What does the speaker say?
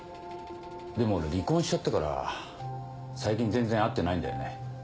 でも俺離婚しちゃったから最近全然会ってないんだよね。